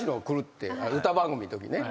歌番組のときね。